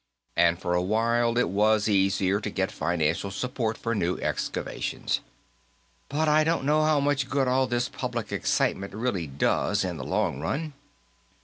And, for a while, it was easier to get financial support for new excavations. But I don't know how much good all this public excitement really does, in the long run."